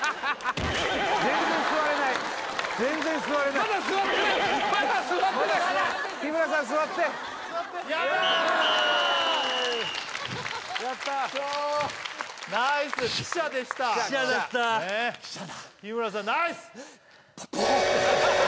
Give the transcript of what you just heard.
全然座れないまだ座れないまだ座ってない日村さん座って・やったーやったクソーッナイス「汽車」でした汽車だった汽車だ日村さんナイス！